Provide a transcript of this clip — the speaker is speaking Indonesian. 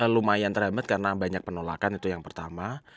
lumayan terhambat karena banyak penolakan itu yang pertama